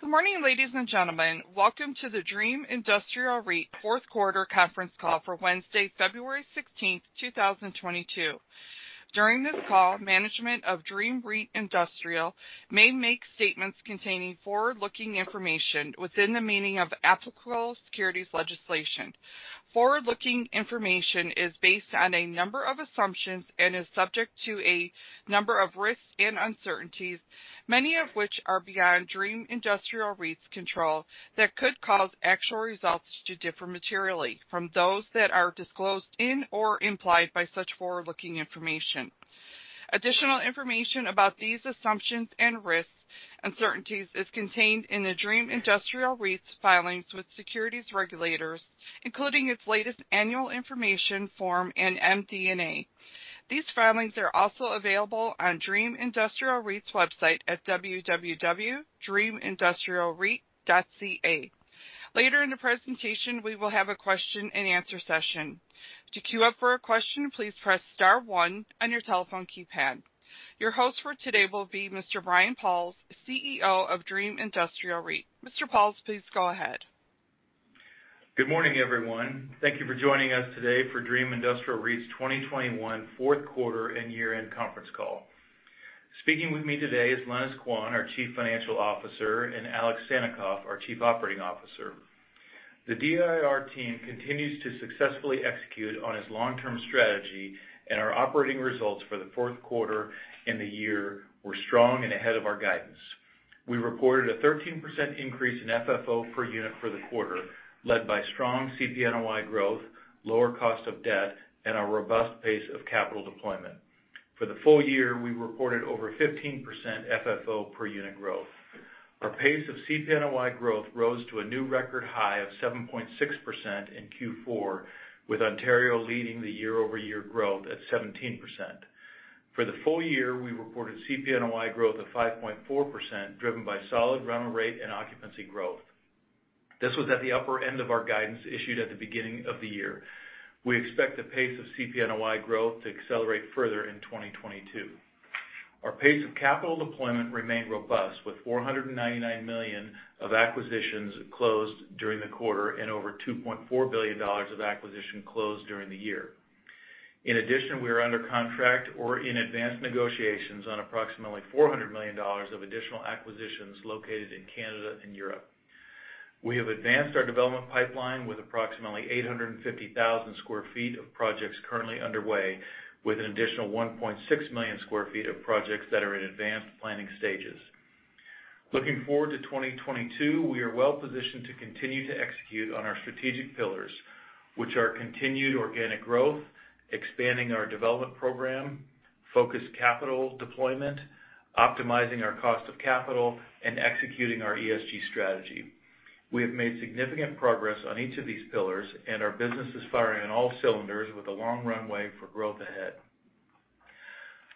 Good morning, ladies and gentlemen. Welcome to the Dream Industrial REIT Fourth Quarter Conference Call for Wednesday, February 16, 2022. During this call, management of Dream Industrial REIT may make statements containing forward-looking information within the meaning of applicable securities legislation. Forward-looking information is based on a number of assumptions and is subject to a number of risks and uncertainties, many of which are beyond Dream Industrial REIT's control, that could cause actual results to differ materially from those that are disclosed in or implied by such forward-looking information. Additional information about these assumptions and risks, uncertainties is contained in the Dream Industrial REIT's filings with securities regulators, including its latest annual information form and MD&A. These filings are also available on Dream Industrial REIT's website at www.dreamindustrialreit.ca. Later in the presentation, we will have a question-and-answer session. To queue up for a question, please press star one on your telephone keypad. Your host for today will be Mr. Brian Pauls, CEO of Dream Industrial REIT. Mr. Pauls, please go ahead. Good morning, everyone. Thank you for joining us today for Dream Industrial REIT's 2021 fourth quarter and year-end conference call. Speaking with me today is Lenis Quan, our Chief Financial Officer, and Alex Sannikov, our Chief Operating Officer. The DIR team continues to successfully execute on its long-term strategy, and our operating results for the fourth quarter and the year were strong and ahead of our guidance. We reported a 13% increase in FFO per unit for the quarter, led by strong CPNOI growth, lower cost of debt, and a robust pace of capital deployment. For the full year, we reported over 15% FFO per unit growth. Our pace of CPNOI growth rose to a new record high of 7.6% in Q4, with Ontario leading the year-over-year growth at 17%. For the full year, we reported CPNOI growth of 5.4%, driven by solid rental rate and occupancy growth. This was at the upper end of our guidance issued at the beginning of the year. We expect the pace of CPNOI growth to accelerate further in 2022. Our pace of capital deployment remained robust, with 499 million of acquisitions closed during the quarter and over 2.4 billion dollars of acquisition closed during the year. In addition, we are under contract or in advanced negotiations on approximately 400 million dollars of additional acquisitions located in Canada and Europe. We have advanced our development pipeline with approximately 850,000 sq ft of projects currently underway, with an additional 1.6 million sq ft of projects that are in advanced planning stages. Looking forward to 2022, we are well-positioned to continue to execute on our strategic pillars, which are continued organic growth, expanding our development program, focused capital deployment, optimizing our cost of capital, and executing our ESG strategy. We have made significant progress on each of these pillars, and our business is firing on all cylinders with a long runway for growth ahead.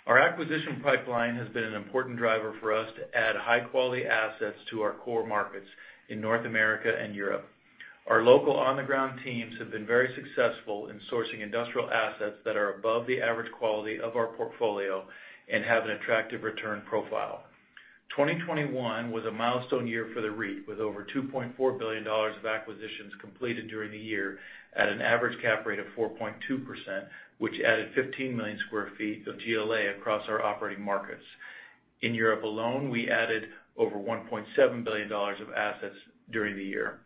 Our acquisition pipeline has been an important driver for us to add high-quality assets to our core markets in North America and Europe. Our local on-the-ground teams have been very successful in sourcing industrial assets that are above the average quality of our portfolio and have an attractive return profile. 2021 was a milestone year for the REIT, with over 2.4 billion dollars of acquisitions completed during the year at an average cap rate of 4.2%, which added 15 million sq ft of GLA across our operating markets. In Europe alone, we added over 1.7 billion dollars of assets during the year.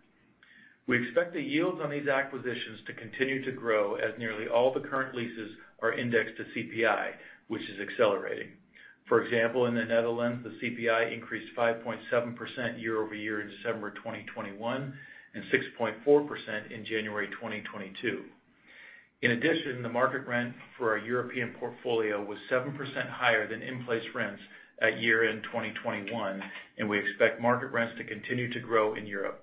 We expect the yields on these acquisitions to continue to grow as nearly all the current leases are indexed to CPI, which is accelerating. For example, in the Netherlands, the CPI increased 5.7% year-over-year in December 2021 and 6.4% in January 2022. In addition, the market rent for our European portfolio was 7% higher than in-place rents at year-end 2021, and we expect market rents to continue to grow in Europe.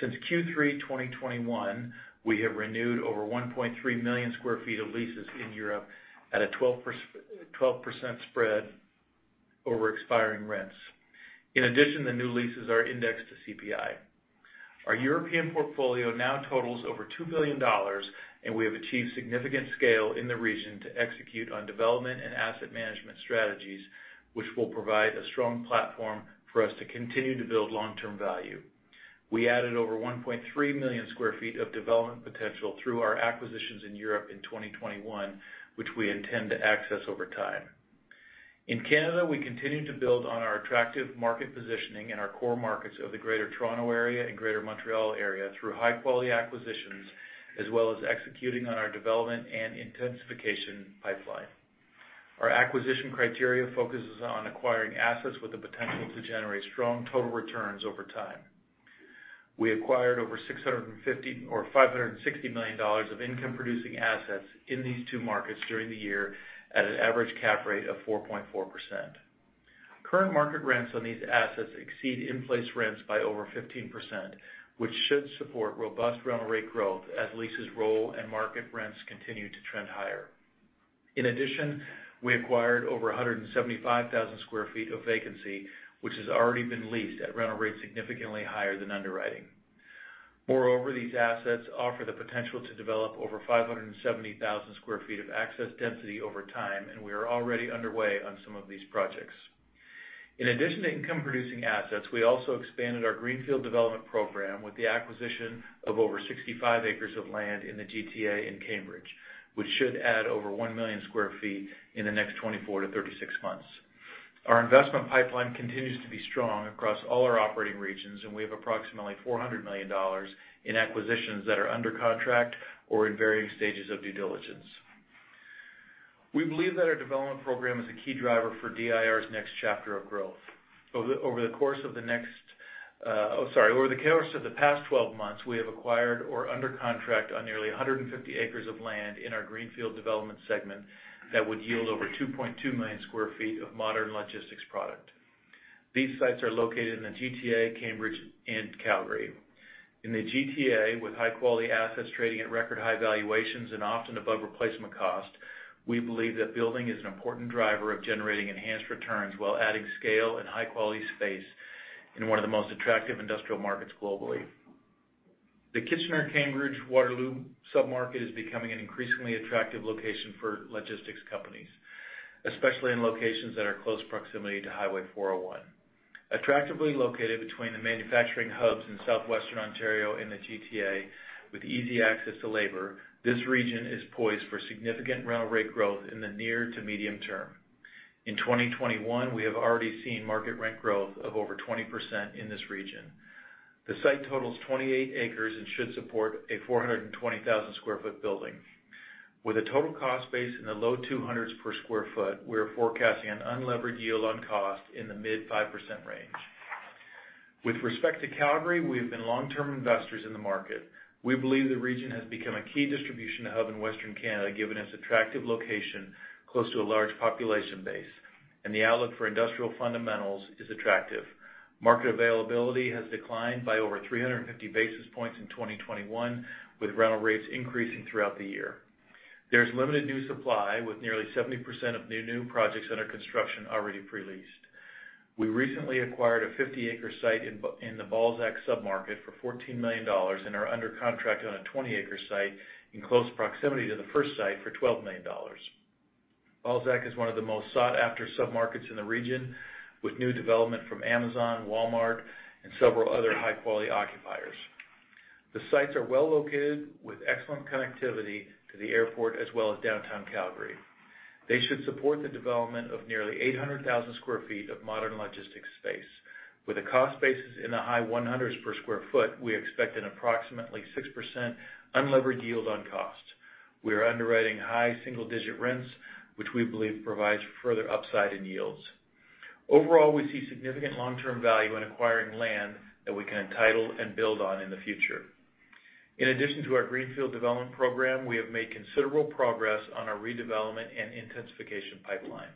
Since Q3 2021, we have renewed over 1.3 million sq ft of leases in Europe at a 12% spread over expiring rents. In addition, the new leases are indexed to CPI. Our European portfolio now totals over 2 billion dollars, and we have achieved significant scale in the region to execute on development and asset management strategies, which will provide a strong platform for us to continue to build long-term value. We added over 1.3 million sq ft of development potential through our acquisitions in Europe in 2021, which we intend to access over time. In Canada, we continue to build on our attractive market positioning in our core markets of the Greater Toronto Area and Greater Montreal Area through high-quality acquisitions, as well as executing on our development and intensification pipeline. Our acquisition criteria focuses on acquiring assets with the potential to generate strong total returns over time. We acquired over 650 million or 560 million dollars of income-producing assets in these two markets during the year at an average cap rate of 4.4%. Current market rents on these assets exceed in-place rents by over 15%, which should support robust rental rate growth as leases roll and market rents continue to trend higher. In addition, we acquired over 175,000 sq ft of vacancy, which has already been leased at rental rates significantly higher than underwriting. Moreover, these assets offer the potential to develop over 570,000 sq ft of access density over time, and we are already underway on some of these projects. In addition to income producing assets, we also expanded our greenfield development program with the acquisition of over 65 acres of land in the GTA in Cambridge, which should add over 1 million sq ft in the next 24-36 months. Our investment pipeline continues to be strong across all our operating regions, and we have approximately 400 million dollars in acquisitions that are under contract or in varying stages of due diligence. We believe that our development program is a key driver for DIR's next chapter of growth. Over the course of the past 12 months, we have acquired or are under contract on nearly 150 acres of land in our greenfield development segment that would yield over 2.2 million sq ft of modern logistics product. These sites are located in the GTA, Cambridge, and Calgary. In the GTA, with high-quality assets trading at record high valuations and often above replacement cost, we believe that building is an important driver of generating enhanced returns while adding scale and high-quality space in one of the most attractive industrial markets globally. The Kitchener-Cambridge-Waterloo submarket is becoming an increasingly attractive location for logistics companies, especially in locations that are close proximity to Highway 401. Attractively located between the manufacturing hubs in Southwestern Ontario and the GTA with easy access to labor, this region is poised for significant rental rate growth in the near to medium term. In 2021, we have already seen market rent growth of over 20% in this region. The site totals 28 acres and should support a 420,000 sq ft building. With a total cost base in the low 200s per sq ft, we are forecasting an unlevered yield on cost in the mid-5% range. With respect to Calgary, we have been long-term investors in the market. We believe the region has become a key distribution hub in Western Canada, given its attractive location close to a large population base, and the outlook for industrial fundamentals is attractive. Market availability has declined by over 350 basis points in 2021, with rental rates increasing throughout the year. There's limited new supply, with nearly 70% of new projects under construction already pre-leased. We recently acquired a 50-acre site in the Balzac submarket for 14 million dollars and are under contract on a 20-acre site in close proximity to the first site for 12 million dollars. Balzac is one of the most sought-after submarkets in the region, with new development from Amazon, Walmart, and several other high-quality occupiers. The sites are well located with excellent connectivity to the airport as well as downtown Calgary. They should support the development of nearly 800,000 sq ft of modern logistics space. With the cost bases in the high 100s per sq ft, we expect an approximately 6% unlevered yield on cost. We are underwriting high single-digit rents, which we believe provides further upside in yields. Overall, we see significant long-term value in acquiring land that we can entitle and build on in the future. In addition to our greenfield development program, we have made considerable progress on our redevelopment and intensification pipeline.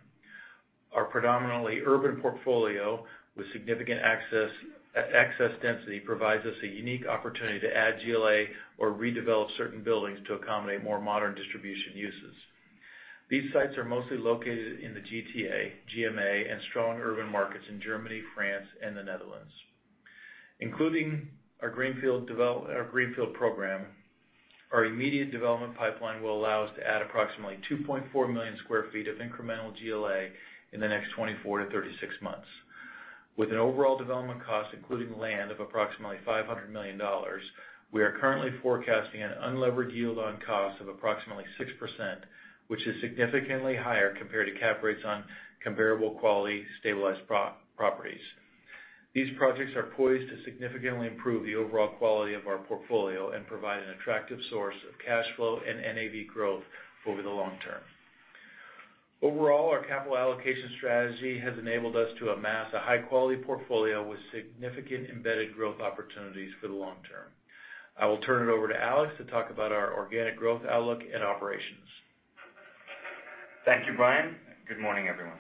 Our predominantly urban portfolio with significant access density provides us a unique opportunity to add GLA or redevelop certain buildings to accommodate more modern distribution uses. These sites are mostly located in the GTA, GMA, and strong urban markets in Germany, France, and the Netherlands. Including our greenfield program, our immediate development pipeline will allow us to add approximately 2.4 million sq ft of incremental GLA in the next 24-36 months. With an overall development cost, including land, of approximately 500 million dollars, we are currently forecasting an unlevered yield on cost of approximately 6%, which is significantly higher compared to cap rates on comparable quality stabilized properties. These projects are poised to significantly improve the overall quality of our portfolio and provide an attractive source of cash flow and NAV growth over the long term. Overall, our capital allocation strategy has enabled us to amass a high-quality portfolio with significant embedded growth opportunities for the long term. I will turn it over to Alex to talk about our organic growth outlook and operations. Thank you, Brian. Good morning, everyone.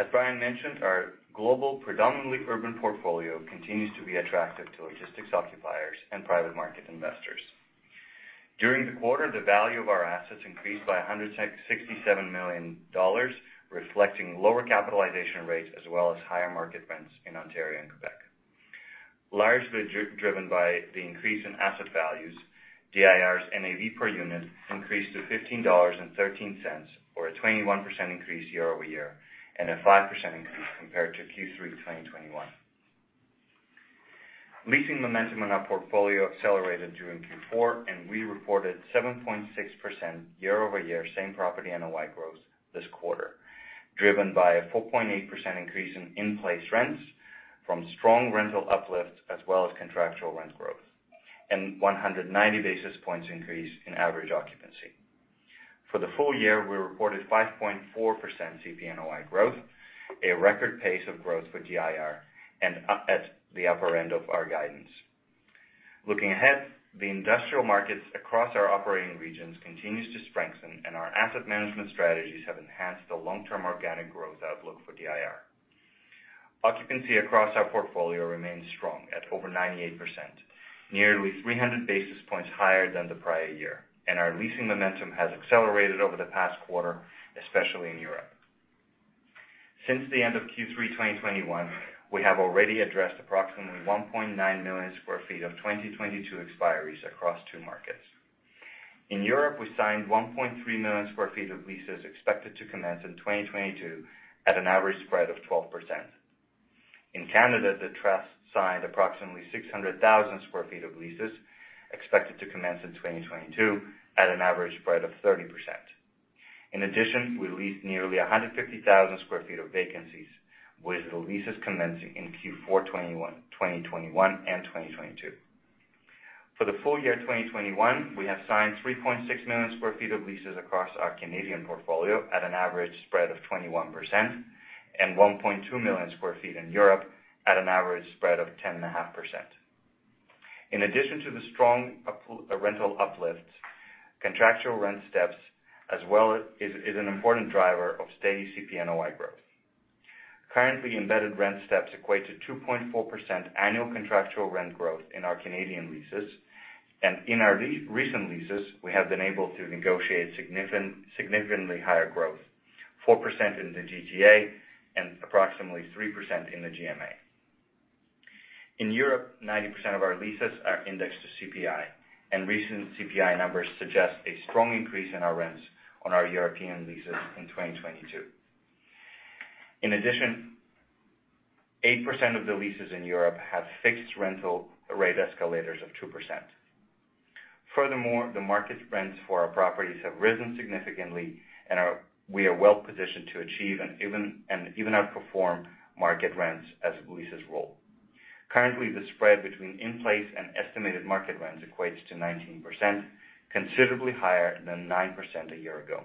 As Brian mentioned, our global predominantly urban portfolio continues to be attractive to logistics occupiers and private market investors. During the quarter, the value of our assets increased by 167 million dollars, reflecting lower capitalization rates as well as higher market rents in Ontario and Quebec. Largely driven by the increase in asset values, DIR's NAV per unit increased to 15.13 dollars, or a 21% increase year-over-year, and a 5% increase compared to Q3 2021. Leasing momentum in our portfolio accelerated during Q4, and we reported 7.6% year-over-year same property NOI growth this quarter, driven by a 4.8% increase in-place rents from strong rental uplifts as well as contractual rent growth, and 190 basis points increase in average occupancy. For the full year, we reported 5.4% CP NOI growth, a record pace of growth for DIR and at the upper end of our guidance. Looking ahead, the industrial markets across our operating regions continues to strengthen, and our asset management strategies have enhanced the long-term organic growth outlook for DIR. Occupancy across our portfolio remains strong at over 98%, nearly 300 basis points higher than the prior year. Our leasing momentum has accelerated over the past quarter, especially in Europe. Since the end of Q3 2021, we have already addressed approximately 1.9 million sq ft of 2022 expiries across two markets. In Europe, we signed 1.3 million sq ft of leases expected to commence in 2022 at an average spread of 12%. In Canada, the trust signed approximately 600,000 sq ft of leases expected to commence in 2022 at an average spread of 30%. In addition, we leased nearly 150,000 sq ft of vacancies, with the leases commencing in Q4 2021 and 2022. For the full year 2021, we have signed 3.6 million sq ft of leases across our Canadian portfolio at an average spread of 21% and 1.2 million sq ft in Europe at an average spread of 10.5%. In addition to the strong rental uplifts, contractual rent steps as well is an important driver of steady CPNOI growth. Currently, embedded rent steps equate to 2.4% annual contractual rent growth in our Canadian leases. In our recent leases, we have been able to negotiate significantly higher growth, 4% in the GTA and approximately 3% in the GMA. In Europe, 90% of our leases are indexed to CPI, and recent CPI numbers suggest a strong increase in our rents on our European leases in 2022. In addition, 8% of the leases in Europe have fixed rental rate escalators of 2%. Furthermore, the market rents for our properties have risen significantly, and we are well-positioned to even outperform market rents as leases roll. Currently, the spread between in-place and estimated market rents equates to 19%, considerably higher than 9% a year ago.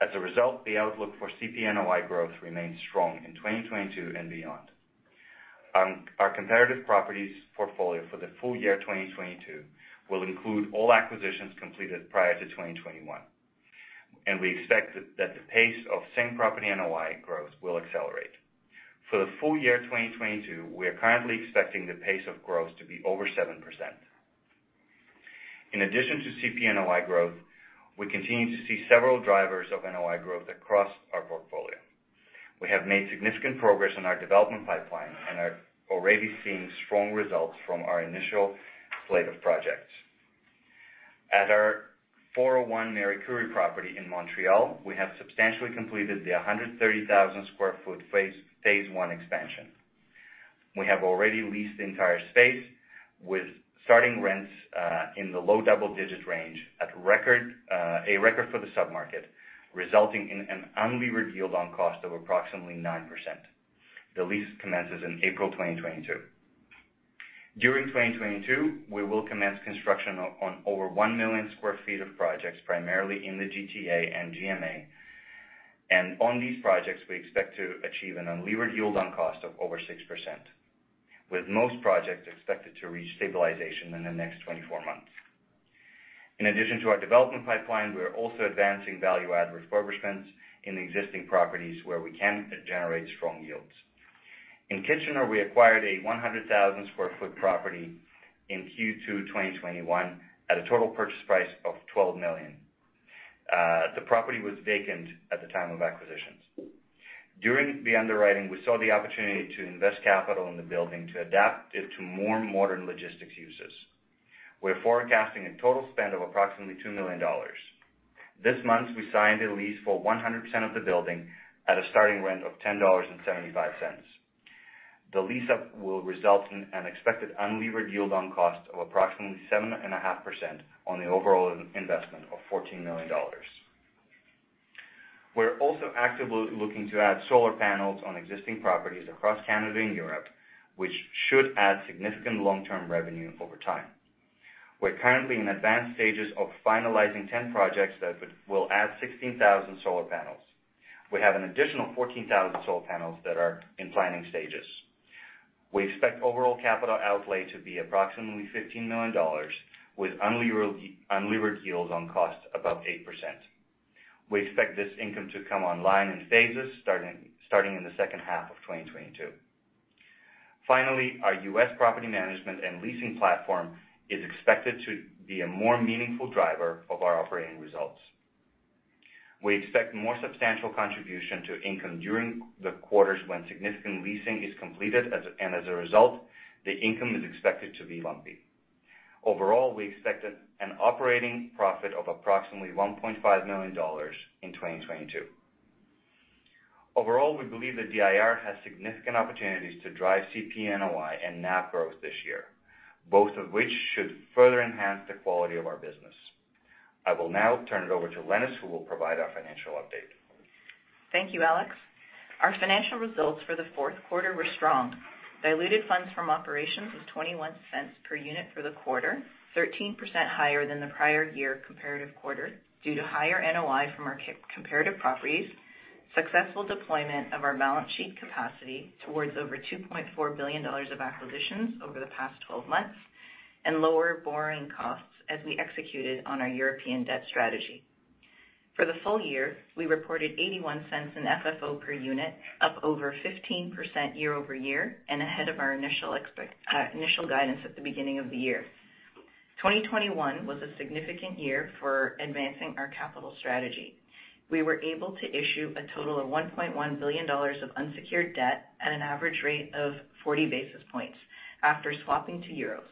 As a result, the outlook for CPNOI growth remains strong in 2022 and beyond. Our comparative properties portfolio for the full year 2022 will include all acquisitions completed prior to 2021, and we expect that the pace of same-property NOI growth will accelerate. For the full year 2022, we are currently expecting the pace of growth to be over 7%. In addition to CPNOI growth, we continue to see several drivers of NOI growth across our portfolio. We have made significant progress in our development pipeline and are already seeing strong results from our initial slate of projects. At our 401 Marie-Curie property in Montreal, we have substantially completed the 130,000 sq ft phase one expansion. We have already leased the entire space with starting rents in the low double-digit range at a record for the sub-market, resulting in an unlevered yield on cost of approximately 9%. The lease commences in April 2022. During 2022, we will commence construction on over 1 million sq ft of projects, primarily in the GTA and GMA. On these projects, we expect to achieve an unlevered yield on cost of over 6%, with most projects expected to reach stabilization in the next 24 months. In addition to our development pipeline, we are also advancing value add refurbishments in existing properties where we can generate strong yields. In Kitchener, we acquired a 100,000 sq ft property in Q2 2021 at a total purchase price of 12 million. The property was vacant at the time of acquisitions. During the underwriting, we saw the opportunity to invest capital in the building to adapt it to more modern logistics uses. We're forecasting a total spend of approximately 2 million dollars. This month, we signed a lease for 100% of the building at a starting rent of 10.75 dollars. The lease up will result in an expected unlevered yield on cost of approximately 7.5% on the overall investment of 14 million dollars. We're also actively looking to add solar panels on existing properties across Canada and Europe, which should add significant long-term revenue over time. We're currently in advanced stages of finalizing 10 projects that will add 16,000 solar panels. We have an additional 14,000 solar panels that are in planning stages. We expect overall capital outlay to be approximately 15 million dollars, with unlevered yields on cost above 8%. We expect this income to come online in phases, starting in the second half of 2022. Finally, our U.S. property management and leasing platform is expected to be a more meaningful driver of our operating results. We expect more substantial contribution to income during the quarters when significant leasing is completed, and as a result, the income is expected to be lumpy. Overall, we expect an operating profit of approximately 1.5 million dollars in 2022. Overall, we believe that DIR has significant opportunities to drive CPNOI and NAV growth this year, both of which should further enhance the quality of our business. I will now turn it over to Lenis, who will provide our financial update. Thank you, Alex. Our financial results for the fourth quarter were strong. Diluted funds from operations was 0.21 per unit for the quarter, 13% higher than the prior-year comparative quarter due to higher NOI from our comparative properties, successful deployment of our balance sheet capacity towards over 2.4 billion dollars of acquisitions over the past 12 months, and lower borrowing costs as we executed on our European debt strategy. For the full year, we reported 0.81 in FFO per unit, up over 15% year-over-year and ahead of our initial guidance at the beginning of the year. 2021 was a significant year for advancing our capital strategy. We were able to issue a total of 1.1 billion dollars of unsecured debt at an average rate of 40 basis points after swapping to euros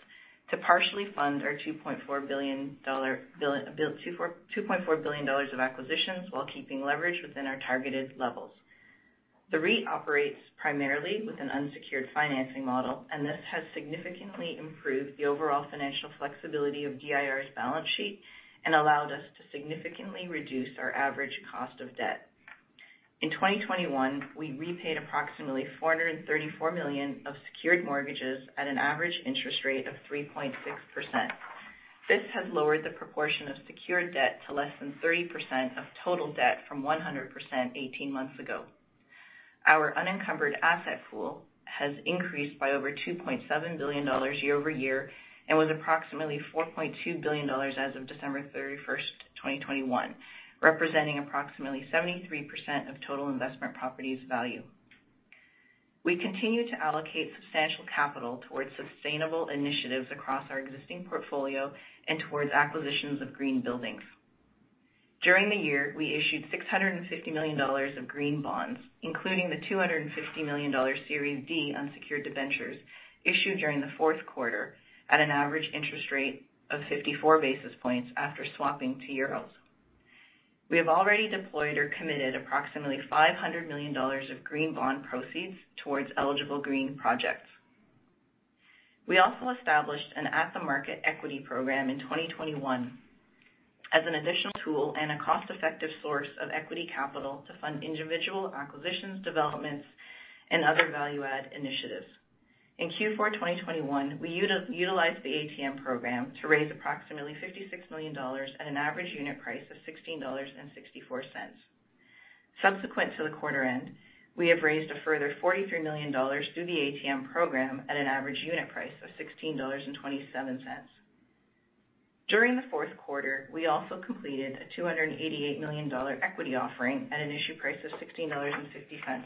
to partially fund our 2.4 billion dollars of acquisitions while keeping leverage within our targeted levels. The REIT operates primarily with an unsecured financing model, and this has significantly improved the overall financial flexibility of DIR's balance sheet and allowed us to significantly reduce our average cost of debt. In 2021, we repaid approximately 434 million of secured mortgages at an average interest rate of 3.6%. This has lowered the proportion of secured debt to less than 30% of total debt from 100% eighteen months ago. Our unencumbered asset pool has increased by over 2.7 billion dollars year-over-year and was approximately 4.2 billion dollars as of December 31, 2021, representing approximately 73% of total investment properties value. We continue to allocate substantial capital towards sustainable initiatives across our existing portfolio and towards acquisitions of green buildings. During the year, we issued 650 million dollars of green bonds, including the 250 million dollar Series D unsecured debentures issued during the fourth quarter at an average interest rate of 54 basis points after swapping to euros. We have already deployed or committed approximately 500 million dollars of green bond proceeds towards eligible green projects. We also established an at-the-market equity program in 2021 as an additional tool and a cost-effective source of equity capital to fund individual acquisitions, developments, and other value add initiatives. In Q4 2021, we utilized the ATM program to raise approximately 56 million dollars at an average unit price of 16.64 dollars. Subsequent to the quarter end, we have raised a further 43 million dollars through the ATM program at an average unit price of 16.27 dollars. During the fourth quarter, we also completed a 288 million dollar equity offering at an issue price of 16.50 dollars.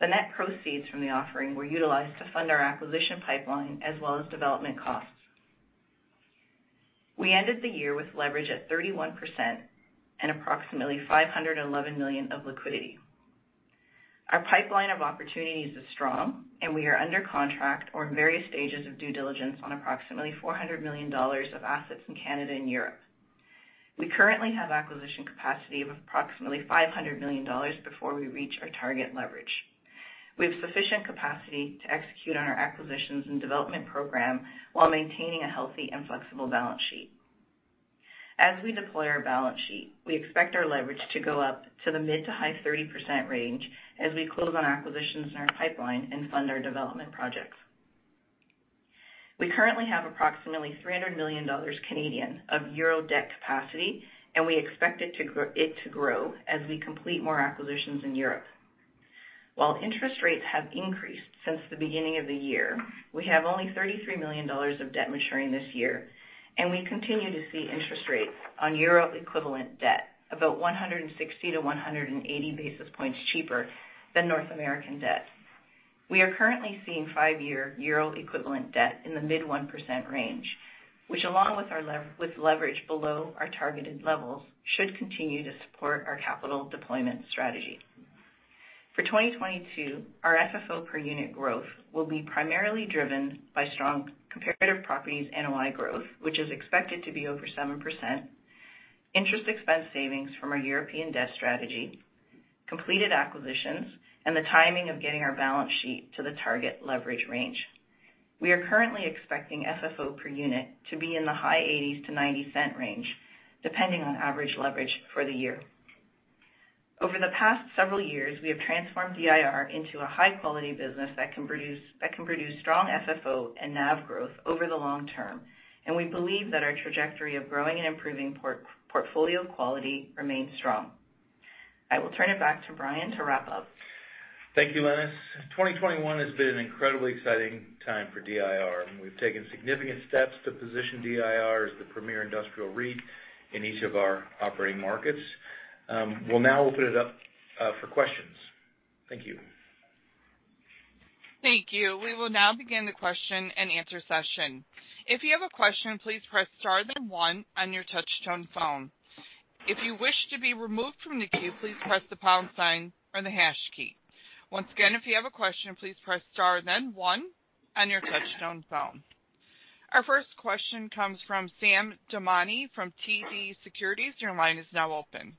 The net proceeds from the offering were utilized to fund our acquisition pipeline as well as development costs. We ended the year with leverage at 31% and approximately 511 million of liquidity. Our pipeline of opportunities is strong, and we are under contract or in various stages of due diligence on approximately 400 million dollars of assets in Canada and Europe. We currently have acquisition capacity of approximately 500 million dollars before we reach our target leverage. We have sufficient capacity to execute on our acquisitions and development program while maintaining a healthy and flexible balance sheet. As we deploy our balance sheet, we expect our leverage to go up to the mid- to high-30% range as we close on acquisitions in our pipeline and fund our development projects. We currently have approximately 300 million Canadian dollars of euro debt capacity, and we expect it to grow as we complete more acquisitions in Europe. While interest rates have increased since the beginning of the year, we have only 33 million dollars of debt maturing this year, and we continue to see interest rates on euro equivalent debt about 160-180 basis points cheaper than North American debt. We are currently seeing five-year euro equivalent debt in the mid-1% range, which, along with our with leverage below our targeted levels, should continue to support our capital deployment strategy. For 2022, our FFO per unit growth will be primarily driven by strong comparative properties NOI growth, which is expected to be over 7%, interest expense savings from our European debt strategy, completed acquisitions, and the timing of getting our balance sheet to the target leverage range. We are currently expecting FFO per unit to be in the CAD 0.80s-CAD 0.90 range, depending on average leverage for the year. Over the past several years, we have transformed DIR into a high-quality business that can produce strong FFO and NAV growth over the long term, and we believe that our trajectory of growing and improving portfolio quality remains strong. I will turn it back to Brian to wrap up. Thank you, Lenis. 2021 has been an incredibly exciting time for DIR, and we've taken significant steps to position DIR as the premier industrial REIT in each of our operating markets. We'll now open it up for questions. Thank you. Thank you. We will now begin the question and answer session. If you have a question, please press star then one on your touchtone phone. If you wish to be removed from the queue, please press the pound sign or the hash key. Once again, if you have a question, please press star then one on your touchtone phone. Our first question comes from Sam Damiani from TD Securities. Your line is now open.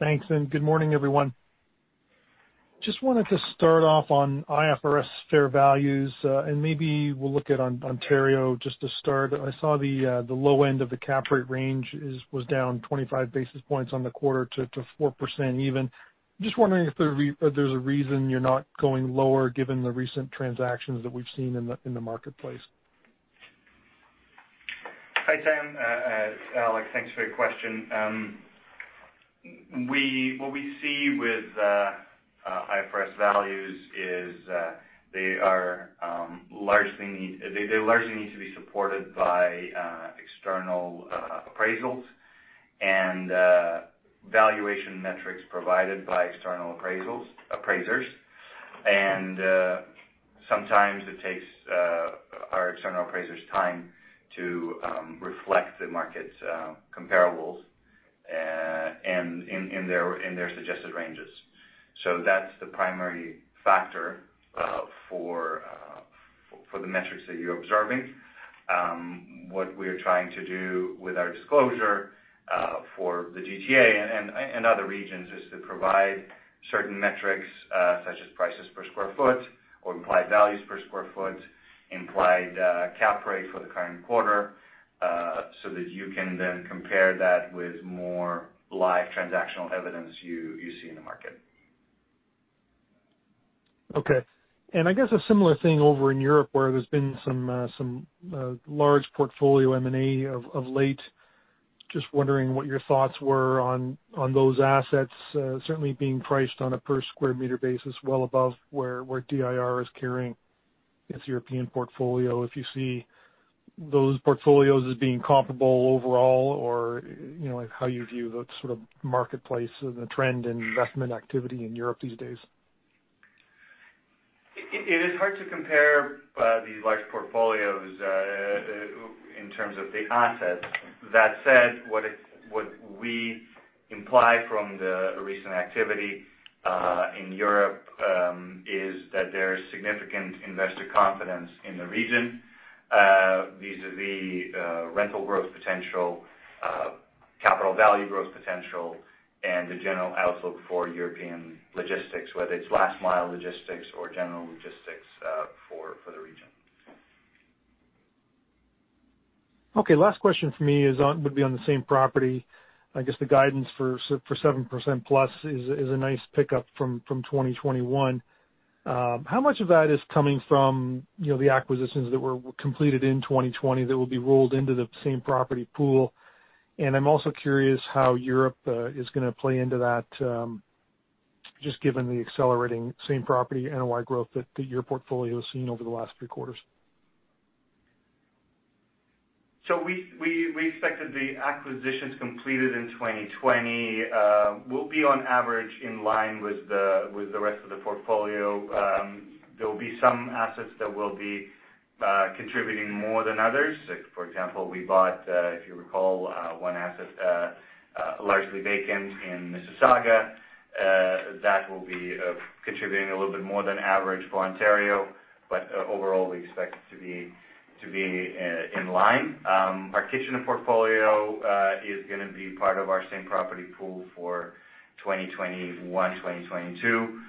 Thanks, good morning, everyone. Just wanted to start off on IFRS fair values, and maybe we'll look at in Ontario just to start. I saw the low end of the cap rate range was down 25 basis points on the quarter to 4% even. Just wondering if there's a reason you're not going lower given the recent transactions that we've seen in the marketplace. Hi, Sam. Alex, thanks for your question. What we see with IFRS values is they largely need to be supported by external appraisals and valuation metrics provided by external appraisers. Sometimes it takes our external appraisers time to reflect the market's comparables and in their suggested ranges. That's the primary factor for the metrics that you're observing. What we're trying to do with our disclosure for the GTA and other regions is to provide certain metrics, such as prices per square foot or implied values per square foot, implied cap rate for the current quarter, so that you can then compare that with more live transactional evidence you see in the market. Okay. I guess a similar thing over in Europe, where there's been some large portfolio M&A of late. Just wondering what your thoughts were on those assets, certainly being priced on a per square meter basis, well above where DIR is carrying its European portfolio. If you see those portfolios as being comparable overall or, you know, how you view the sort of marketplace and the trend in investment activity in Europe these days. It is hard to compare these large portfolios in terms of the assets. That said, what we imply from the recent activity in Europe is that there is significant investor confidence in the region. Vis-à-vis rental growth potential, capital value growth potential, and the general outlook for European logistics, whether it's last mile logistics or general logistics, for the region. Okay. Last question for me is on the same property. I guess the guidance for same-property 7%+ is a nice pickup from 2021. How much of that is coming from, you know, the acquisitions that were completed in 2020 that will be rolled into the same property pool? And I'm also curious how Europe is gonna play into that, just given the accelerating same-property NOI growth that your portfolio has seen over the last three quarters. We expect that the acquisitions completed in 2020 will be on average in line with the rest of the portfolio. There will be some assets that will be contributing more than others. Like, for example, we bought, if you recall, one asset largely vacant in Mississauga. That will be contributing a little bit more than average for Ontario. Overall, we expect it to be in line. Our Kitchener portfolio is gonna be part of our same property pool for 2021, 2022.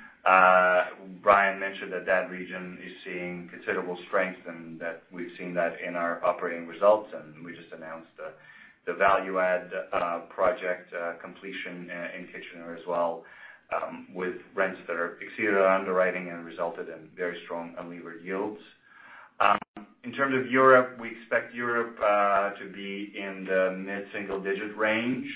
Brian mentioned that region is seeing considerable strength, and that we've seen that in our operating results, and we just announced the value-add project completion in Kitchener as well, with rents that exceeded our underwriting and resulted in very strong unlevered yields. In terms of Europe, we expect Europe to be in the mid-single-digit range,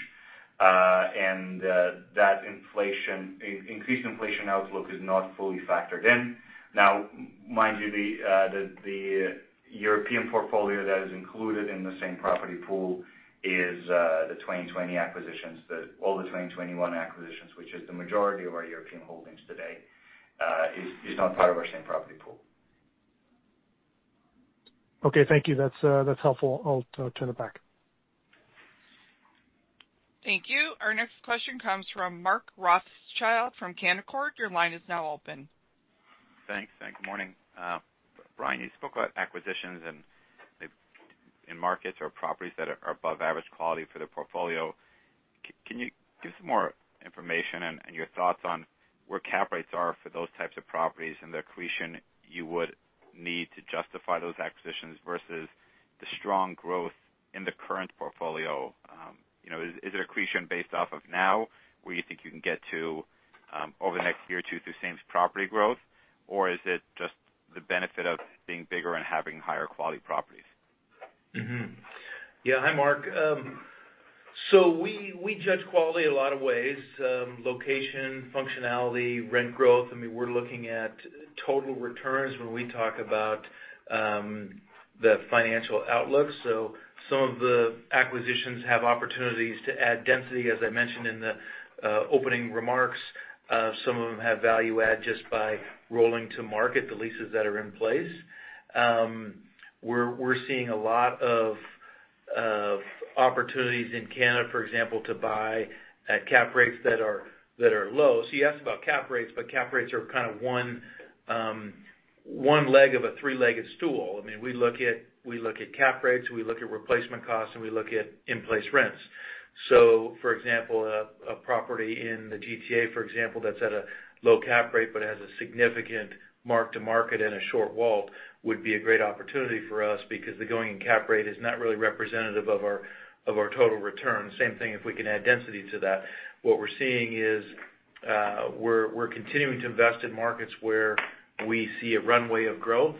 and that increased inflation outlook is not fully factored in. Now, mind you, the European portfolio that is included in the same property pool is the 2020 acquisitions. All the 2021 acquisitions, which is the majority of our European holdings today, is not part of our same property pool. Okay. Thank you. That's helpful. I'll turn it back. Thank you. Our next question comes from Mark Rothschild from Canaccord. Your line is now open. Thanks. Good morning. Brian, you spoke about acquisitions and in markets or properties that are above average quality for the portfolio. Can you give some more information and your thoughts on where cap rates are for those types of properties and the accretion you would need to justify those acquisitions versus the strong growth in the current portfolio? You know, is it accretion based off of now, where you think you can get to, over the next year or two through same property growth? Or is it just the benefit of being bigger and having higher quality properties? Yeah. Hi, Mark. We judge quality a lot of ways, location, functionality, rent growth. I mean, we're looking at total returns when we talk about the financial outlook. Some of the acquisitions have opportunities to add density, as I mentioned in the opening remarks. Some of them have value add just by rolling to market the leases that are in place. We're seeing a lot of opportunities in Canada, for example, to buy at cap rates that are low. You asked about cap rates, but cap rates are kind of one leg of a three-legged stool. I mean, we look at cap rates, we look at replacement costs, and we look at in-place rents. For example, a property in the GTA, for example, that's at a low cap rate but has a significant mark to market and a short WALT, would be a great opportunity for us because the going cap rate is not really representative of our total return. Same thing if we can add density to that. What we're seeing is, we're continuing to invest in markets where we see a runway of growth.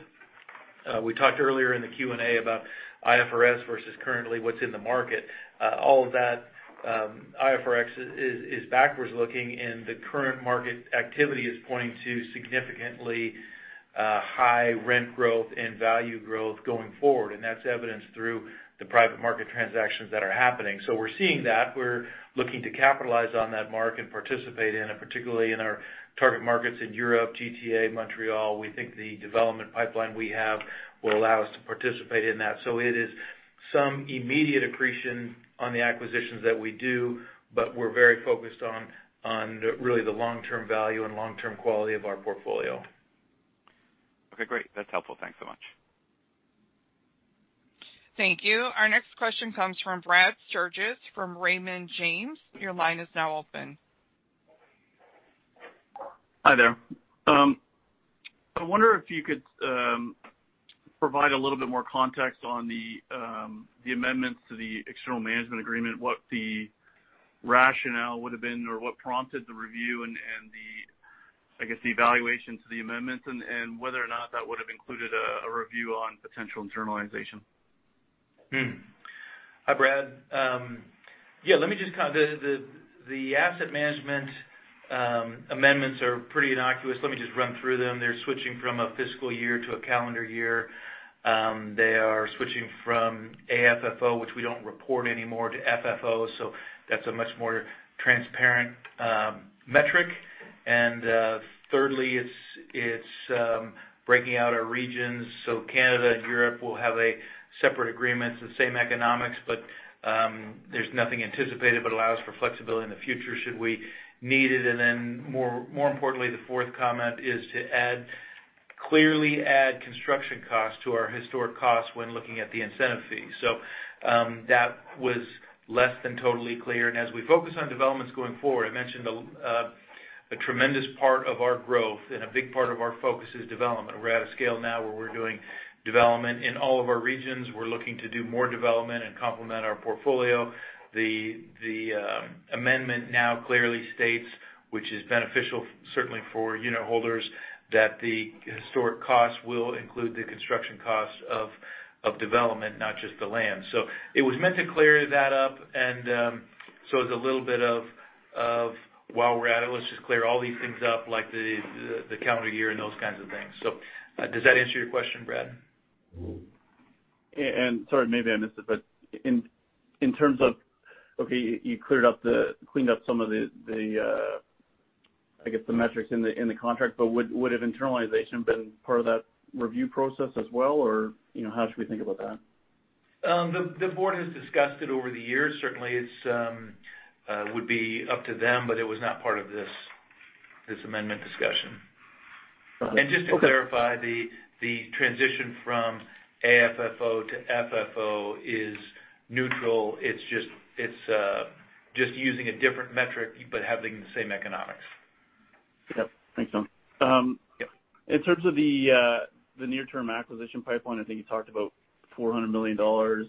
We talked earlier in the Q&A about IFRS versus currently what's in the market. All of that, IFRS is backwards looking, and the current market activity is pointing to significantly high rent growth and value growth going forward. That's evidenced through the private market transactions that are happening. We're seeing that. We're looking to capitalize on that mark and participate in it, particularly in our target markets in Europe, GTA, Montreal. We think the development pipeline we have will allow us to participate in that. It is some immediate accretion on the acquisitions that we do, but we're very focused on the real long-term value and long-term quality of our portfolio. Okay, great. That's helpful. Thanks so much. Thank you. Our next question comes from Brad Sturges from Raymond James. Your line is now open. Hi there. I wonder if you could provide a little bit more context on the amendments to the external management agreement, what the rationale would have been or what prompted the review and, I guess, the evaluation to the amendments and whether or not that would have included a review on potential internalization? Hi, Brad. Yeah, let me just kind of. The asset management amendments are pretty innocuous. Let me just run through them. They're switching from a fiscal year to a calendar year. They are switching from AFFO, which we don't report anymore, to FFO, so that's a much more transparent metric. Thirdly, it's breaking out our regions. Canada and Europe will have a separate agreement. It's the same economics, but there's nothing anticipated, but allows for flexibility in the future should we need it. Then more importantly, the fourth comment is to clearly add construction costs to our historic costs when looking at the incentive fees. That was less than totally clear. As we focus on developments going forward, I mentioned the tremendous part of our growth and a big part of our focus is development. We're at a scale now where we're doing development in all of our regions. We're looking to do more development and complement our portfolio. The amendment now clearly states, which is beneficial certainly for unitholders, that the historic costs will include the construction costs of development, not just the land. It was meant to clear that up. It's a little bit of, while we're at it, let's just clear all these things up like the calendar year and those kinds of things. Does that answer your question, Brad? Sorry, maybe I missed it, but in terms of, okay, you cleaned up some of the, I guess, the metrics in the contract, but would have internalization been part of that review process as well, or, you know, how should we think about that? The board has discussed it over the years. Certainly, it would be up to them, but it was not part of this amendment discussion. Okay. Just to clarify, the transition from AFFO to FFO is neutral. It's just using a different metric but having the same economics. Yep. Thanks, Brian. Yep. In terms of the near-term acquisition pipeline, I think you talked about 400 million dollars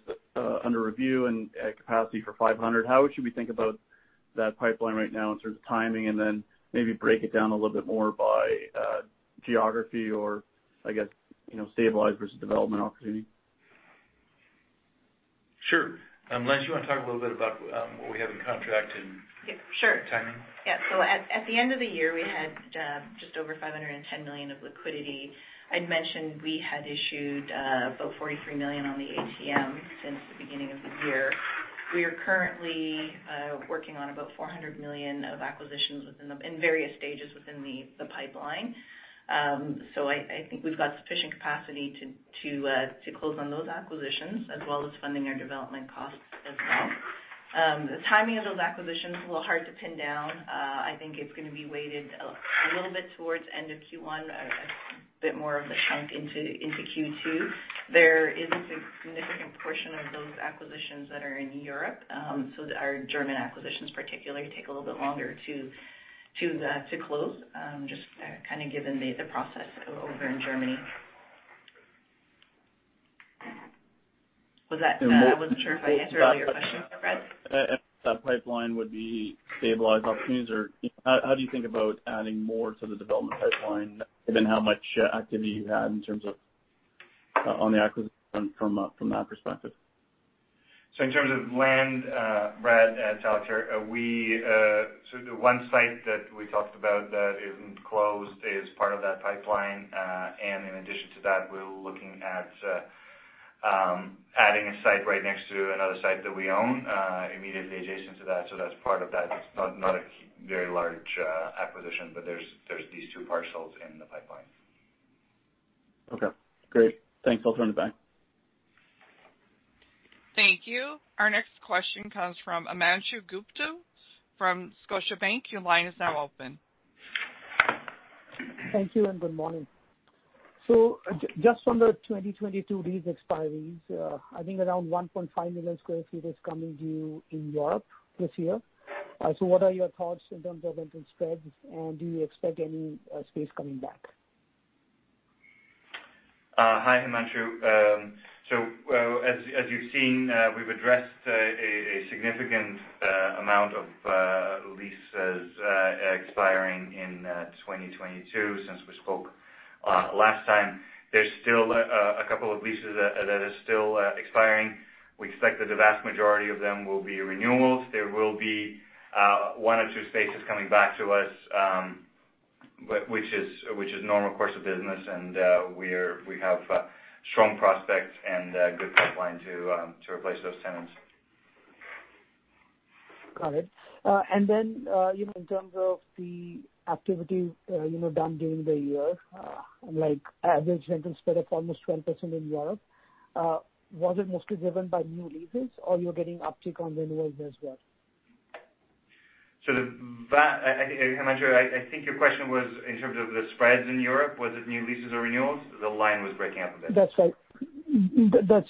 under review and capacity for 500 million. How should we think about that pipeline right now in terms of timing? Maybe break it down a little bit more by geography or I guess, you know, stabilized versus development opportunity. Sure. Lenis, do you wanna talk a little bit about what we have in contract and- Yeah, sure. -timing? Yeah. At the end of the year, we had just over 510 million of liquidity. I'd mentioned we had issued about 43 million on the ATM since the beginning of the year. We are currently working on about 400 million of acquisitions in various stages within the pipeline. I think we've got sufficient capacity to close on those acquisitions as well as funding our development costs as well. The timing of those acquisitions a little hard to pin down. I think it's gonna be weighted a little bit towards end of Q1, a bit more of a chunk into Q2. There is a significant portion of those acquisitions that are in Europe. Our German acquisitions particularly take a little bit longer to close, just kinda given the process over in Germany. Was that, I wasn't sure if I answered all your questions, Brad. That pipeline would be stabilized opportunities? Or how do you think about adding more to the development pipeline given how much activity you had in terms of on the acquisition from that perspective? In terms of land, Brad, at Balzac, the one site that we talked about that isn't closed is part of that pipeline. In addition to that, we're looking at adding a site right next to another site that we own, immediately adjacent to that. That's part of that. It's not a very large acquisition, but there's these two parcels in the pipeline. Okay, great. Thanks. I'll turn it back. Thank you. Our next question comes from Himanshu Gupta from Scotiabank. Your line is now open. Thank you, and good morning. Just on the 2022 lease expiries, I think around 1.5 million sq ft is coming due in Europe this year. What are your thoughts in terms of rental spreads, and do you expect any space coming back? Hi, Himanshu. As you've seen, we've addressed a significant amount of leases expiring in 2022 since we spoke last time. There's still a couple of leases that are still expiring. We expect that the vast majority of them will be renewals. There will be one or two spaces coming back to us, which is normal course of business, and we have strong prospects and a good pipeline to replace those tenants. Got it. You know, in terms of the activity, you know, done during the year, like average rental spread of almost 12% in Europe, was it mostly driven by new leases or you're getting uptick on renewals as well? Himanshu, I think your question was in terms of the spreads in Europe, was it new leases or renewals? The line was breaking up a bit. That's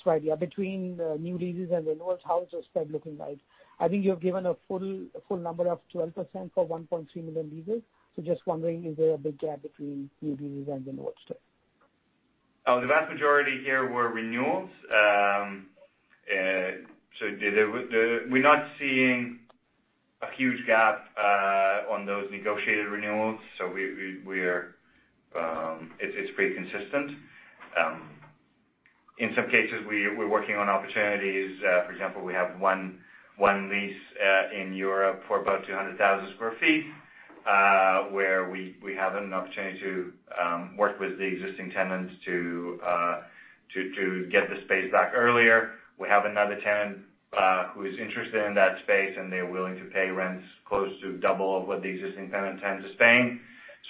right, yeah. Between new leases and renewals, how is the spread looking like? I think you have given a full number of 12% for 1.3 million leases. So just wondering, is there a big gap between new leases and renewals today? Oh, the vast majority here were renewals. We're not seeing a huge gap on those negotiated renewals, so we're. It's pretty consistent. In some cases we're working on opportunities. For example, we have one lease in Europe for about 200,000 sq ft, where we have an opportunity to work with the existing tenants to get the space back earlier. We have another tenant who is interested in that space, and they're willing to pay rents close to double of what the existing tenant is paying.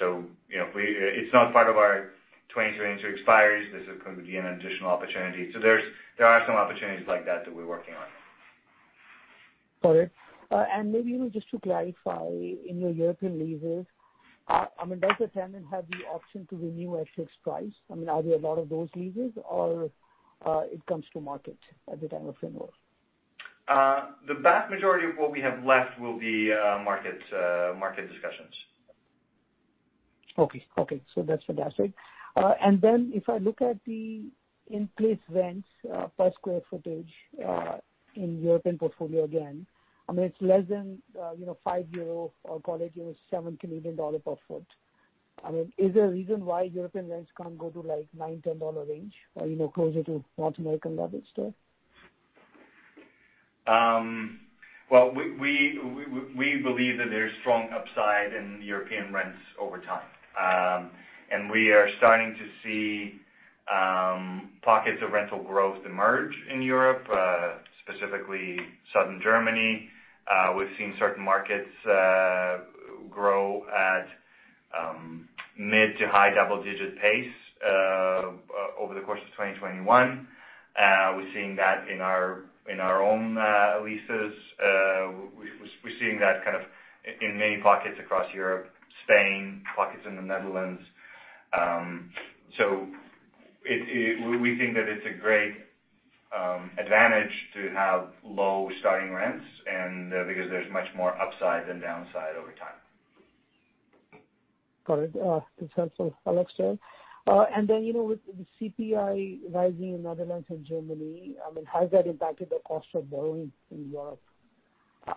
You know, It's not part of our 2022 expires. This is gonna be an additional opportunity. There are some opportunities like that that we're working on. Got it. Maybe, you know, just to clarify, in your European leases, I mean, does the tenant have the option to renew at fixed price? I mean, are there a lot of those leases or, it comes to market at the time of renewal? The vast majority of what we have left will be market discussions. Okay. Okay, that's fantastic. If I look at the in-place rents, per square footage, in European portfolio, again, I mean, it's less than, you know, 5 euro or call it, you know, 7 Canadian dollar per sq ft. I mean, is there a reason why European rents can't go to, like, 9-10 dollar range or, you know, closer to North American levels today? Well, we believe that there's strong upside in European rents over time. We are starting to see pockets of rental growth emerge in Europe, specifically southern Germany. We've seen certain markets grow at mid- to high double-digit pace over the course of 2021. We're seeing that in our own leases. We're seeing that kind of in many pockets across Europe, Spain, pockets in the Netherlands. We think that it's a great advantage to have low starting rents and because there's much more upside than downside over time. Got it. That's helpful, Alex. You know, with the CPI rising in Netherlands and Germany, I mean, how has that impacted the cost of borrowing in Europe?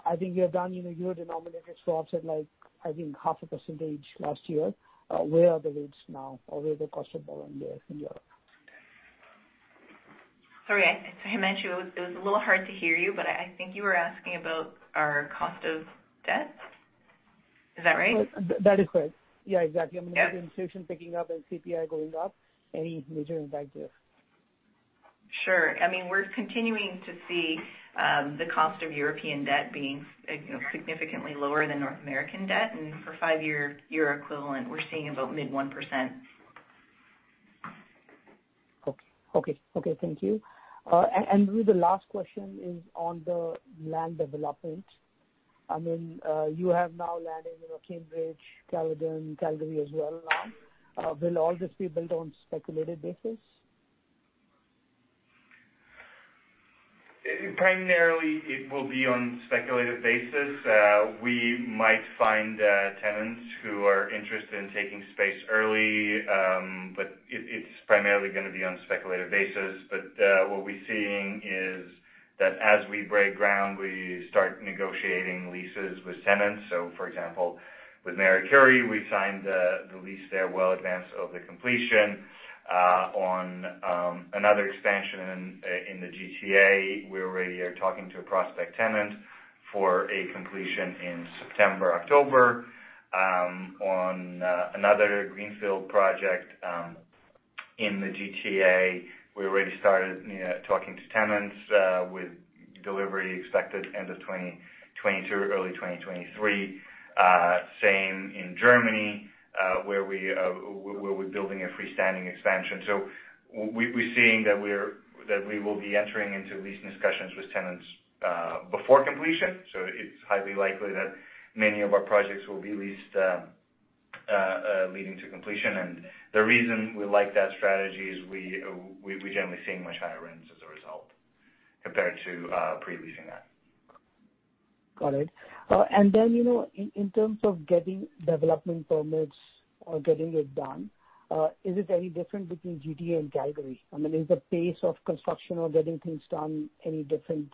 I think you have done, you know, euro-denominated swaps at, like, I think half a percentage last year. Where are the rates now or where is the cost of borrowing there in Europe? Sorry, Himanshu, it was a little hard to hear you, but I think you were asking about our cost of debt. Is that right? That is correct. Yeah, exactly. Yeah. I mean, with inflation picking up and CPI going up, any major impact there? Sure. I mean, we're continuing to see the cost of European debt being significantly lower than North American debt. For five-year euro equivalent, we're seeing about mid-1%. Okay, thank you. The last question is on the land development. I mean, you have now land in, you know, Cambridge, Caledon, Calgary as well now. Will all this be built on speculative basis? Primarily it will be on speculative basis. We might find tenants who are interested in taking space early, but it's primarily gonna be on speculative basis. What we're seeing is that as we break ground, we start negotiating leases with tenants. For example, with Marie-Curie, we signed the lease there well in advance of the completion. On another expansion in the GTA, we already are talking to a prospect tenant for a completion in September, October. On another greenfield project in the GTA, we already started you know, talking to tenants with delivery expected end of 2022, early 2023. Same in Germany, where we're building a freestanding expansion. We are seeing that we will be entering into lease discussions with tenants before completion. It's highly likely that many of our projects will be leased leading to completion. The reason we like that strategy is we generally seeing much higher rents as a result compared to pre-leasing that. Got it. You know, in terms of getting development permits or getting it done, is it any different between GTA and Calgary? I mean, is the pace of construction or getting things done any different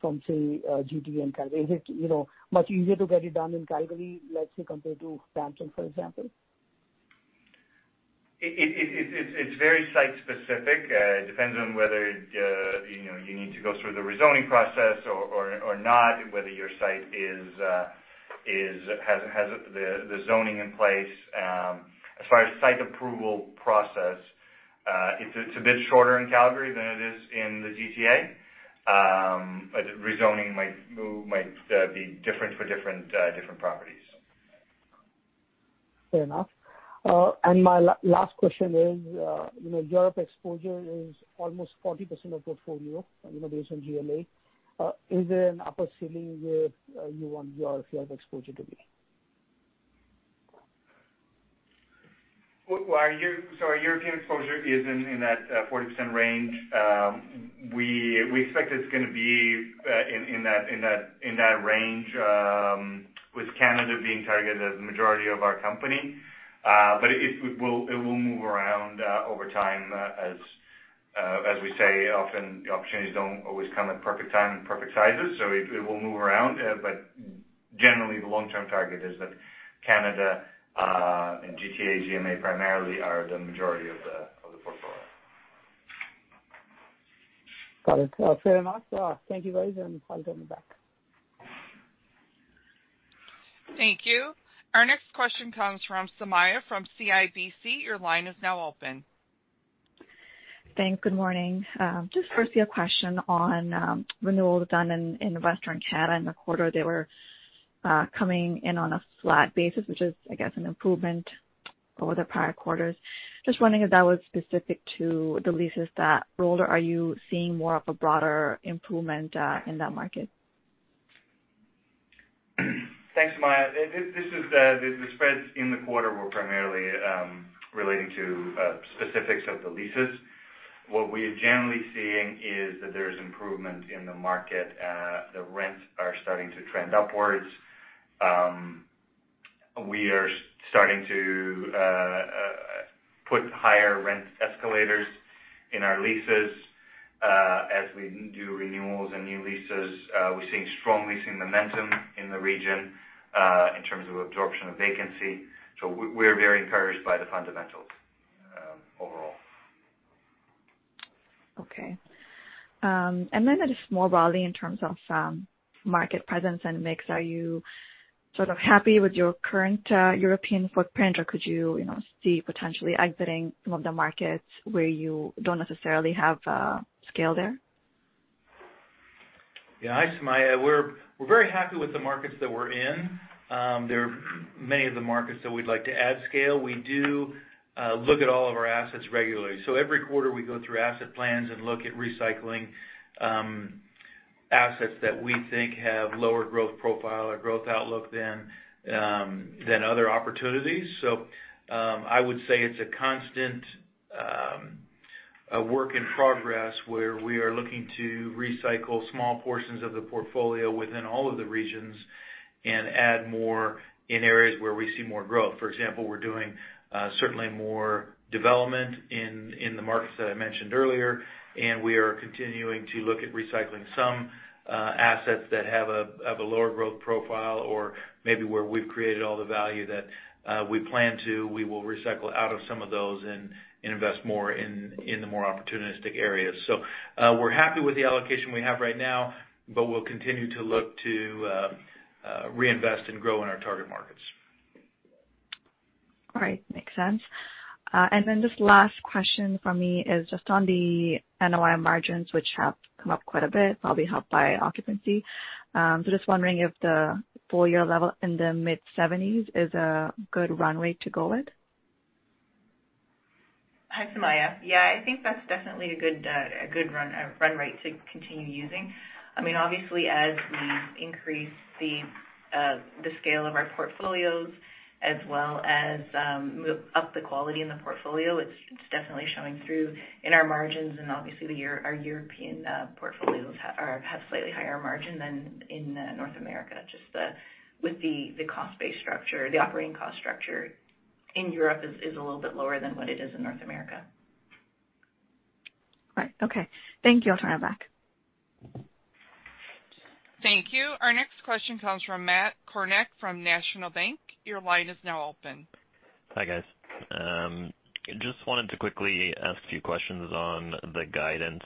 from, say, GTA and Calgary? Is it, you know, much easier to get it done in Calgary, let's say, compared to Brampton, for example? It's very site specific. It depends on whether you know you need to go through the rezoning process or not, whether your site has the zoning in place. As far as site approval process, it's a bit shorter in Calgary than it is in the GTA. Rezoning might be different for different properties. Fair enough. My last question is, you know, Europe exposure is almost 40% of portfolio, you know, based on GLA. Is there an upper ceiling where you want your Europe exposure to be? Our European exposure is in that 40% range. We expect it's gonna be in that range, with Canada being targeted as the majority of our company. It will move around over time, as we say, often the opportunities don't always come at perfect time and perfect sizes. It will move around. Generally, the long-term target is that Canada and GTA, GMA primarily are the majority of the portfolio. Got it. Fair enough. Thank you guys, and I'll turn it back. Thank you. Our next question comes from Sumayya from CIBC. Your line is now open. Thanks. Good morning. Just firstly, a question on renewals done in the Western Canada in the quarter. They were coming in on a flat basis, which is, I guess, an improvement over the prior quarters. Just wondering if that was specific to the leases that rolled, or are you seeing more of a broader improvement in that market? Thanks, Sumayya. The spreads in the quarter were primarily relating to specifics of the leases. What we are generally seeing is that there's improvement in the market. The rents are starting to trend upwards. We are starting to put higher rent escalators in our leases as we do renewals and new leases. We're seeing strong leasing momentum in the region in terms of absorption of vacancy. We're very encouraged by the fundamentals overall. Okay. Just more broadly in terms of market presence and mix, are you sort of happy with your current European footprint, or could you know, see potentially exiting some of the markets where you don't necessarily have scale there? Yeah. Hi, Sumayya. We're very happy with the markets that we're in. There are many of the markets that we'd like to add scale. We do look at all of our assets regularly. Every quarter, we go through asset plans and look at recycling assets that we think have lower growth profile or growth outlook than other opportunities. I would say it's a constant a work in progress where we are looking to recycle small portions of the portfolio within all of the regions and add more in areas where we see more growth. For example, we're doing certainly more development in the markets that I mentioned earlier, and we are continuing to look at recycling some assets that have a lower growth profile or maybe where we've created all the value that we plan to. We will recycle out of some of those and invest more in the more opportunistic areas. We're happy with the allocation we have right now, but we'll continue to look to reinvest and grow in our target markets. All right. Makes sense. Just last question from me is just on the NOI margins, which have come up quite a bit, probably helped by occupancy. Just wondering if the full year level in the mid-70s% is a good runway to go with. Hi, Sumayya. Yeah, I think that's definitely a good run rate to continue using. I mean, obviously, as we increase the scale of our portfolios as well as up the quality in the portfolio, it's definitely showing through in our margins. Obviously our European portfolios have slightly higher margin than in North America. Just with the cost base structure, the operating cost structure in Europe is a little bit lower than what it is in North America. Right. Okay. Thank you. I'll turn it back. Thank you. Our next question comes from Matt Kornack from National Bank. Your line is now open. Hi, guys. Just wanted to quickly ask a few questions on the guidance.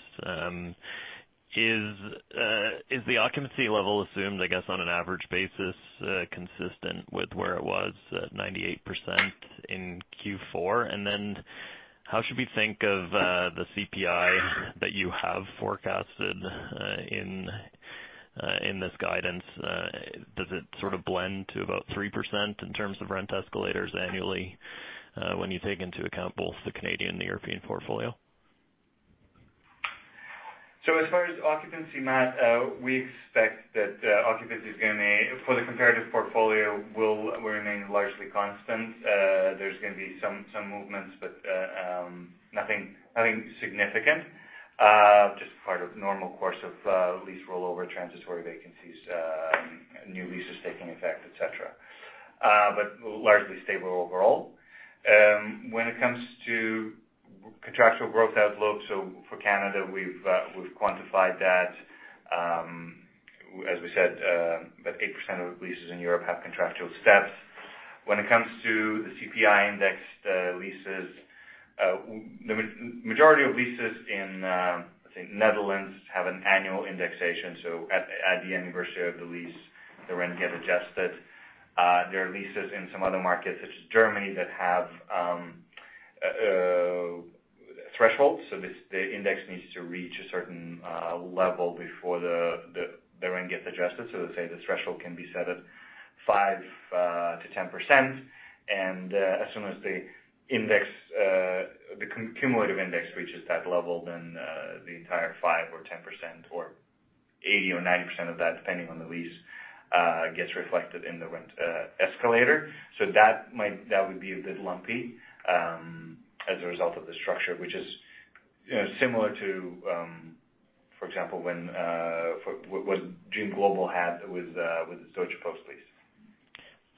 Is the occupancy level assumed, I guess, on an average basis, consistent with where it was at 98% in Q4? How should we think of the CPI that you have forecasted in this guidance? Does it sort of blend to about 3% in terms of rent escalators annually, when you take into account both the Canadian and the European portfolio? As far as occupancy, Matt, we expect that occupancy for the comparative portfolio will remain largely constant. There's gonna be some movements, but nothing significant. Just part of normal course of lease rollover, transitory vacancies, new leases taking effect, et cetera. But largely stable overall. When it comes to contractual growth outlook. For Canada, we've quantified that. As we said, about 8% of leases in Europe have contractual steps. When it comes to the CPI indexed leases, the majority of leases in, I think Netherlands have an annual indexation. At the anniversary of the lease, the rent get adjusted. There are leases in some other markets such as Germany that have thresholds. The index needs to reach a certain level before the rent gets adjusted. Let's say the threshold can be set at 5%-10%. As soon as the index, the cumulative index reaches that level, the entire 5%, or 10%, or 80%, or 90% of that, depending on the lease, gets reflected in the rent escalator. That would be a bit lumpy as a result of the structure, which is, you know, similar to, for example, what Dream Global had with Deutsche Post lease.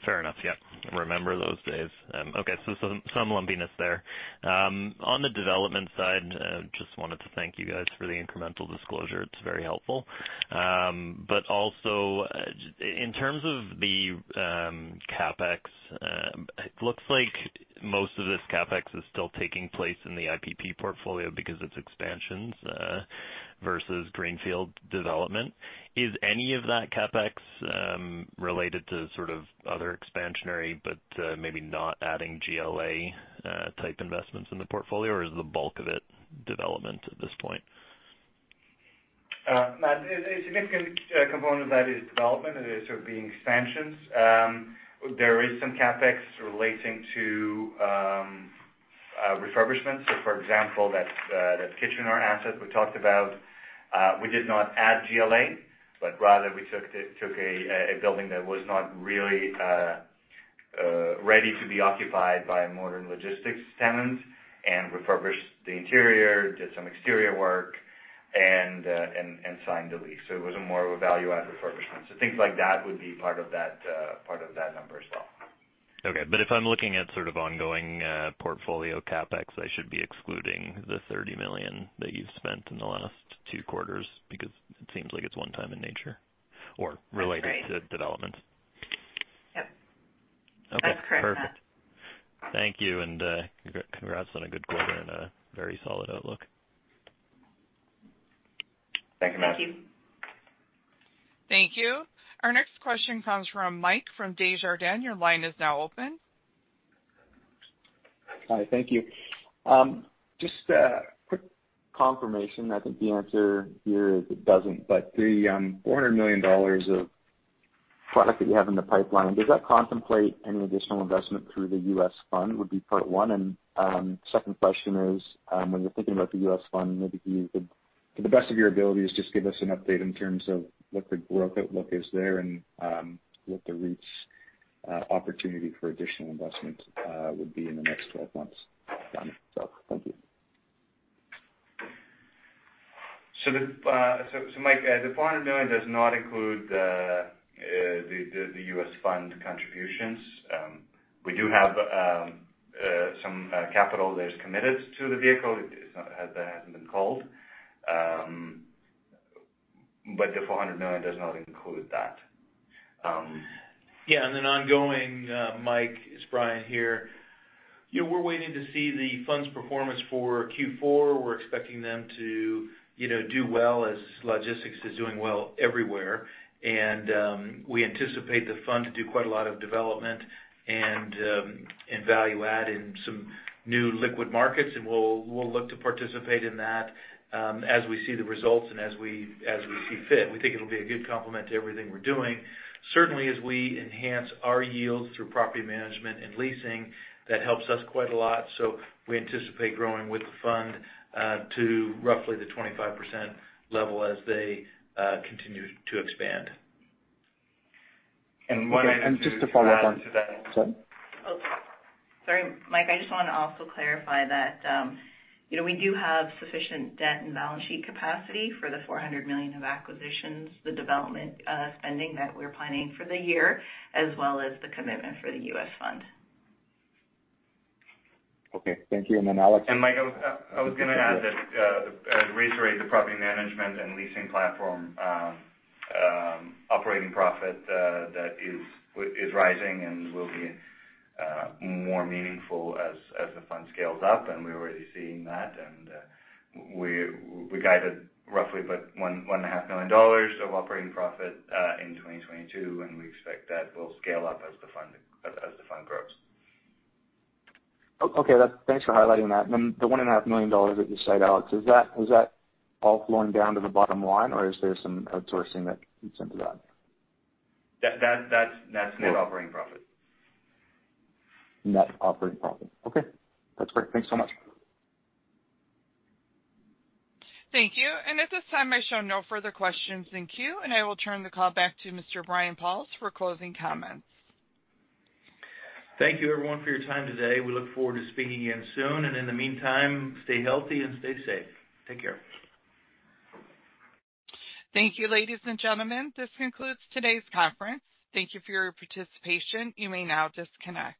Fair enough. Yeah. Remember those days. Okay. Some lumpiness there. On the development side, just wanted to thank you guys for the incremental disclosure. It's very helpful. In terms of the CapEx, it looks like most of this CapEx is still taking place in the IPP portfolio because it's expansions versus greenfield development. Is any of that CapEx related to sort of other expansionary, but maybe not adding GLA type investments in the portfolio? Or is the bulk of it development at this point? Matt, a significant component of that is development. It is sort of the expansions. There is some CapEx relating to refurbishment. For example, that Kitchener asset we talked about, we did not add GLA, but rather we took a building that was not really ready to be occupied by modern logistics tenants and refurbished the interior, did some exterior work and signed the lease. It was more of a value add refurbishment. Things like that would be part of that number as well. Okay. If I'm looking at sort of ongoing, portfolio CapEx, I should be excluding the 30 million that you've spent in the last two quarters because it seems like it's one time in nature or related? That's right. to development. Yep. Okay. That's correct, Matt. Perfect. Thank you. Congrats on a good quarter and a very solid outlook. Thank you, Matt. Thank you. Thank you. Our next question comes from Mike from Desjardins. Your line is now open. Hi. Thank you. Just a quick confirmation. I think the answer here is it doesn't. The 400 million dollars of product that you have in the pipeline, does that contemplate any additional investment through the U.S. fund? Would be part one. Second question is, when you're thinking about the U.S. fund, maybe you could, to the best of your abilities, just give us an update in terms of what the growth outlook is there and what the rich opportunity for additional investment would be in the next 12 months. Thank you. Mike, 400 million does not include the U.S. fund contributions. We do have some capital that is committed to the vehicle. That hasn't been called. 400 million does not include that. Yeah. Ongoing, Mike, it's Brian here. Yeah, we're waiting to see the fund's performance for Q4. We're expecting them to, you know, do well as logistics is doing well everywhere. We anticipate the fund to do quite a lot of development and value add in some new liquid markets, and we'll look to participate in that as we see the results and as we see fit. We think it'll be a good complement to everything we're doing. Certainly as we enhance our yields through property management and leasing, that helps us quite a lot. We anticipate growing with the fund to roughly the 25% level as they continue to expand. One item to add to that. Just to follow up on Sorry. Oh, sorry, Mike, I just want to also clarify that, you know, we do have sufficient debt and balance sheet capacity for the 400 million of acquisitions, the development, spending that we're planning for the year, as well as the commitment for the U.S. fund. Okay. Thank you. Alex- Mike, I was gonna add that, our rate to property management and leasing platform, operating profit, that is rising and will be more meaningful as the fund scales up, and we're already seeing that. We guided roughly about 1.5 million dollars of operating profit in 2022, and we expect that will scale up as the fund grows. Okay, thanks for highlighting that. The 1.5 million dollars that you said, Alex, is that all flowing down to the bottom line or is there some outsourcing that contributes to that? That's net operating income. Net operating profit. Okay. That's great. Thanks so much. Thank you. At this time, I show no further questions in queue, and I will turn the call back to Mr. Brian Pauls for closing comments. Thank you everyone for your time today. We look forward to speaking again soon. In the meantime, stay healthy and stay safe. Take care. Thank you, ladies and gentlemen. This concludes today's conference. Thank you for your participation. You may now disconnect.